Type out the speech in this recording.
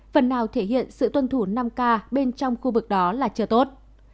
phần nào thể hiện sự tuân thủ năm k bên trong khu vực đó là chưa tốt